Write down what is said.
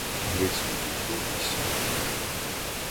Гриць відійшов і сів.